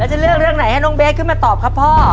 จะเลือกเรื่องไหนให้น้องเบสขึ้นมาตอบครับพ่อ